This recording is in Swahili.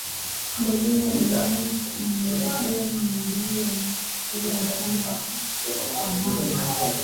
Dalili za mnyama kuchanganyikiwa ni magonjwa yanayoathiri mfumo wa fahamu